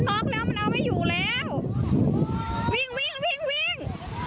มันน๊อกแล้วมันเอาไม่อยู่แล้ววิ่งวิ่งวิ่งวิ่ง